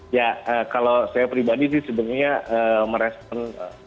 ya kalau saya pribadi sih sebenarnya merespon